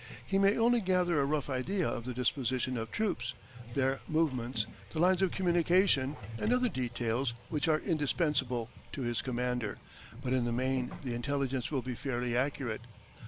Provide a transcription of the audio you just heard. He may only gather a rough idea of the disposition of troops, their movements, the lines of communication, and other details which are indispensable to his commander, but in the main the intelligence will be fairly accurate.